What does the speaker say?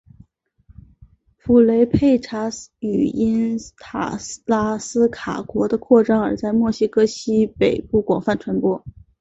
普雷佩查语因塔拉斯卡国的扩张而在墨西哥西北部广泛传播。